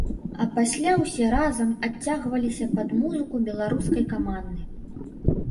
А пасля ўсе разам адцягваліся пад музыку беларускай каманды.